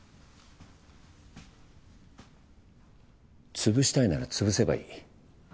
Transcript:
潰したいなら潰せばいい。